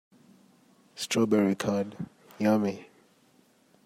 Strawberry curd, yummy!